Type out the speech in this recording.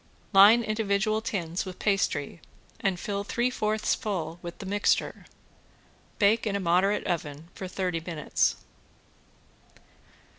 Line individual tins with pastry and fill three fourths full with the mixture. Bake in a moderate oven for thirty minutes.